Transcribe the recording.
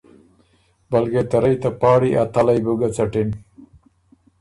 بلکې ته رئ ته پاړی ا تلئ بُو ګۀ څَټِن۔